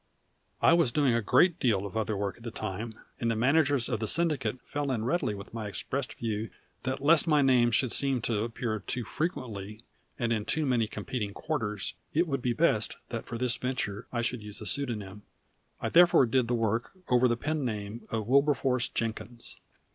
I was doing a great deal of other work at the time, and the managers of the syndicate fell in readily with my expressed view that lest my name should seem to appear too frequently, and in too many competing quarters, it would be best that for this venture I should use a pseudonym. I therefore did the work over the pen name of Wilberforce Jenkins.